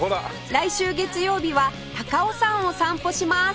来週月曜日は高尾山を散歩します